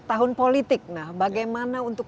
tahun politik bagaimana untuk